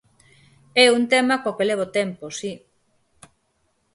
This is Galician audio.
É un tema co que levo tempo, si.